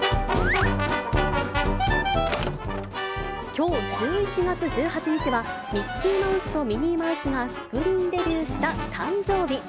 きょう１１月１８日は、ミッキーマウスとミニーマウスがスクリーンデビューした誕生日。